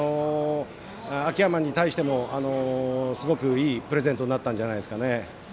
秋山に対してもすごく、いいプレゼントになったんじゃないですかね。